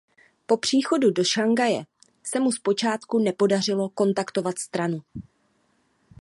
Po příchodu do Šanghaje se mu zpočátku nepodařilo kontaktovat stranu.